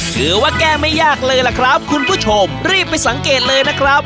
ถือว่าแก้ไม่ยากเลยล่ะครับคุณผู้ชมรีบไปสังเกตเลยนะครับ